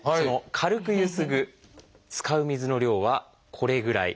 軽くゆすぐ使う水の量はこれぐらい。